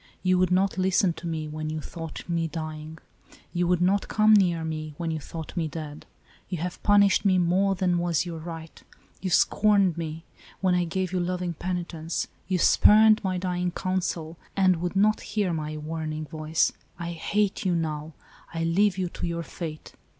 You would not listen to me, when you thought me dying. You would not come near me, when you thought me dead. You have punished me more than was your right : you scorned me, when I gave you loving penitence : you spurned my dying counsel, and would not hear my warning voice. I hate you now ! I leave you to your fate.